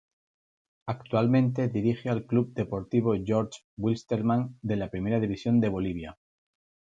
Actualmente dirige al Club Deportivo Jorge Wilstermann de la Primera División de Bolivia.